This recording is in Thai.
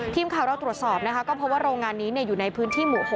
ทีมข่าวเราตรวจสอบนะคะก็เพราะว่าโรงงานนี้อยู่ในพื้นที่หมู่๖